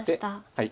はい。